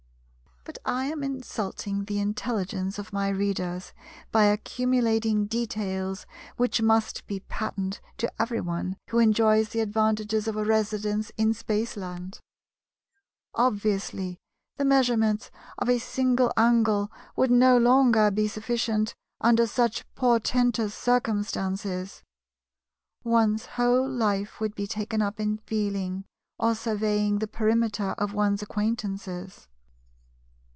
But I am insulting the intelligence of my Readers by accumulating details which must be patent to everyone who enjoys the advantages of a Residence in Spaceland. Obviously the measurements of a single angle would no longer be sufficient under such portentous circumstances; one's whole life would be taken up in feeling or surveying the perimeter of one's acquaintances.